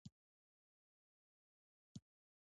په پوځي لیاقت یې لوی سلطنتونه جوړ کړل.